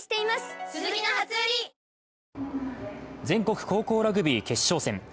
全国高校ラグビー決勝戦。